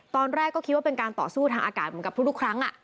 ตอนแรกก็คิดว่าเป็นการต่อสู้ทางอากาศเหมือนกับทุกครั้ง